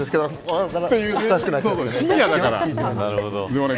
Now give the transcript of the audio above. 深夜だからね。